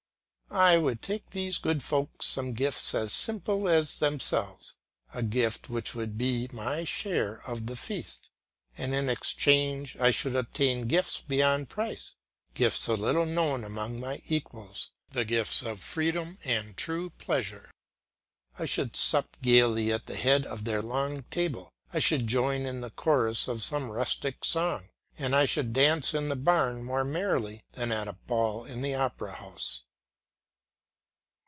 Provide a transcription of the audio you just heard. I would take these good folks some gift as simple as themselves, a gift which would be my share of the feast; and in exchange I should obtain gifts beyond price, gifts so little known among my equals, the gifts of freedom and true pleasure. I should sup gaily at the head of their long table; I should join in the chorus of some rustic song and I should dance in the barn more merrily than at a ball in the Opera House.